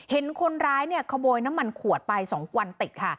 เห็นคนร้ายเนี่ยขโมยน้ำมันขวดไป๒วันติดค่ะ